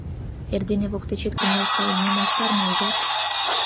Эрдене воктечет кынел кайымем от шарне, ужат?